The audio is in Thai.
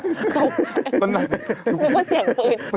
นึกว่าเสี่ยงปืน